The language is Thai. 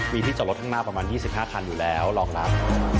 มีที่จอดรถข้างหน้าประมาณ๒๕คันอยู่แล้วรองรับ